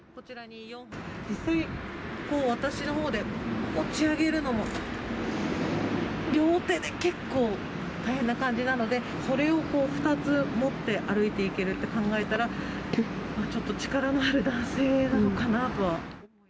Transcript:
実際、私のほうで持ち上げるのも、両手で結構大変な感じなので、これをこう、２つ持って歩いていけるって考えたら、ちょっと力のある男性なのかなとは。